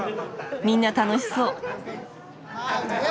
みんな楽しそう！